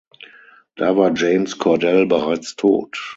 Da war James Cordell bereits tot.